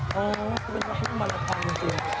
อ๋อเป็นนักวิ่งมาลักษณ์จริง